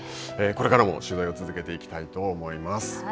これからも取材を続けていきたいと思います。